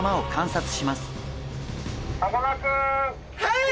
はい！